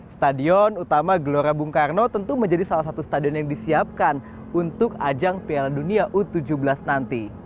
stadion utama gelora bung karno tentu menjadi salah satu stadion yang disiapkan untuk ajang piala dunia u tujuh belas nanti